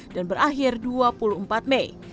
dan berakhir dua puluh empat mei